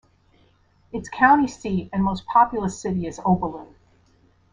Its county seat and most populous city is Oberlin.